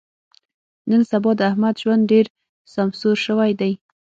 نن سبا د احمد ژوند ډېر سمسور شوی دی.